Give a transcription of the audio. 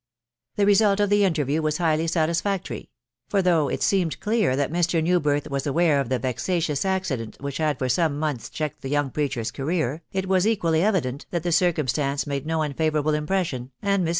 The result of the interview was highly satis* factory ; for though it seemed clear that Mr. Newbirth was aware of the vexatious accident wAvidv. YhA fox %ome months checked the young preacher a career, \t w*& enpa&cj «?&« that the circumstance made no \miavo\a«XAfc \m\jwsKtf«v, — a *rs.